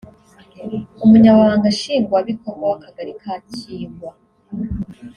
Umunyamabanga Nshingwabikorwa w’Akagali ka Kingwa